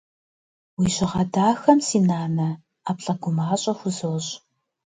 Уи жьыгъэ дахэм, си нанэ, ӏэплӏэ гумащӏэ хузощӏ.